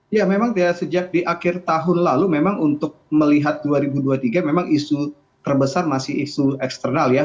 ya memang sejak di akhir tahun lalu memang untuk melihat dua ribu dua puluh tiga memang isu terbesar masih isu eksternal ya